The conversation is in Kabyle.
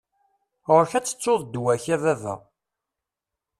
Ɣur-k ad tettuḍ ddwa-k, a baba.